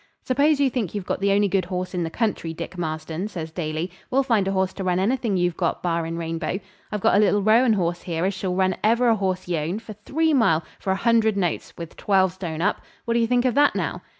'Suppose you think you've got the only good horse in the country, Dick Marston,' says Daly. 'We'll find a horse to run anything you've got, barrin' Rainbow. I've got a little roan horse here as shall run ever a horse ye own, for three mile, for a hundred notes, with twelve stone up. What do you think of that, now?'